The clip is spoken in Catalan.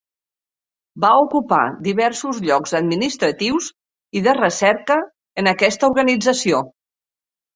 Va ocupar diversos llocs administratius i de recerca en aquesta organització.